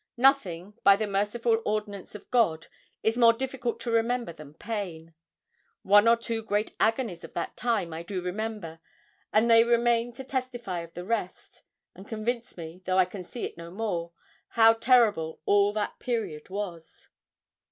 Nothing, by the merciful ordinance of God, is more difficult to remember than pain. One or two great agonies of that time I do remember, and they remain to testify of the rest, and convince me, though I can see it no more, how terrible all that period was.